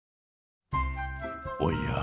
おや？